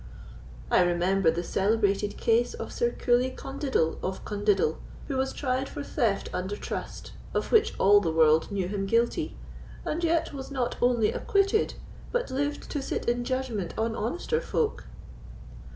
I remember the celebrated case of Sir Coolie Condiddle of Condiddle, who was tried for theft under trust, of which all the world knew him guilty, and yet was not only acquitted, but lived to sit in judgment on honester folk."